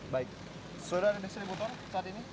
baik sudah ada distributor saat ini